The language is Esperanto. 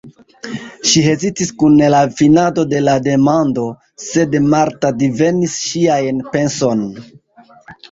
Ŝi hezitis kun la finado de la demando, sed Marta divenis ŝian penson.